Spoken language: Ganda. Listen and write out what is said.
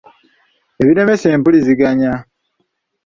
ebiremesa empulizigannya